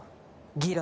ギラ！